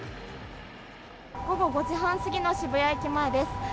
午後５時半過ぎの渋谷駅前です。